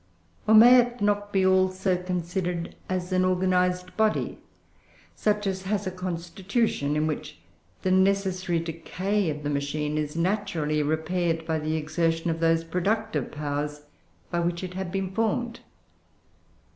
Or may it not be also considered as an organised body? such as has a constitution in which the necessary decay of the machine is naturally repaired, in the exertion of those productive powers by which it had been formed.